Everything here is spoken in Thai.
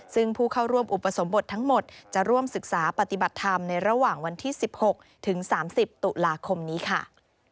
ซึ่งผู้เข้าร่วมอุปสมบททั้งหมดจะร่วมศึกษาปฏิบัติธรรมในระหว่างวันที่๑๖ถึง๓๐ตุลาคมนี้ค่ะ